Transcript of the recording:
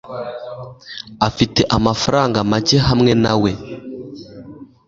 afite amafaranga make hamwe na we